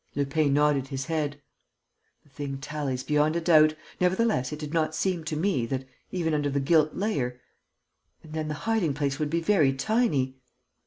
Lupin nodded his head: "The thing tallies beyond a doubt. Nevertheless, it did not seem to me, that, even under the gilt layer.... And then the hiding place would be very tiny!"